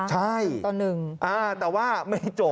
ใช่แต่ว่าไม่จบ